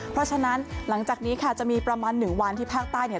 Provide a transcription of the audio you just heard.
เพราะฉะนั้นหลังจากนี้ค่ะจะมีประมาณ๑วันที่ภาคใต้เนี่ย